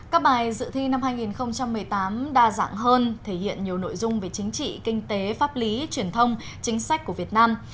các bài dự thi năm hai nghìn một mươi tám đa dạng hơn thể hiện nhiều nội dung về chính trị kinh tế pháp lý truyền thông chính sách của việt nam